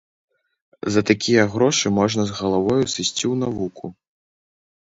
За такія грошы можна з галавою сысці у навуку.